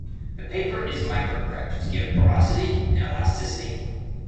The paper is microcrepped to give porosity and elasticity.